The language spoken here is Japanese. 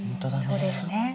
そうですね。